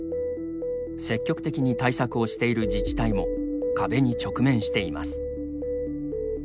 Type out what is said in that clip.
積極的に対策をしている自治体も壁に直面しています。